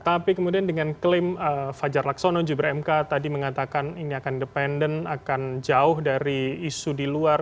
tapi kemudian dengan klaim fajar laksono jubir mk tadi mengatakan ini akan independen akan jauh dari isu di luar